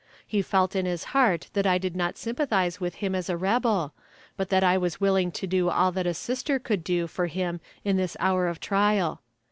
He felt in his heart that I did not sympathize with him as a rebel, but that I was willing to do all that a sister could do for him in this hour of trial.